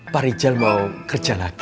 pak rijal mau kerja lagi